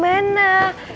mereka pasti sama